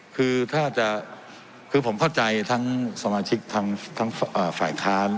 คือถ้าจะคือผมเข้าใจทั้งสมาชิกทั้งทั้งทั้งอ่อฝ่ายค้าน